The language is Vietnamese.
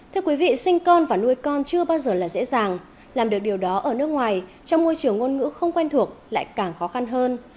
thưa quý vị sinh con và nuôi con chưa bao giờ là dễ dàng làm được điều đó ở nước ngoài trong môi trường ngôn ngữ không quen thuộc lại càng khó khăn hơn